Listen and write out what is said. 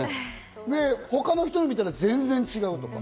他の人のを見たら全然違うとか。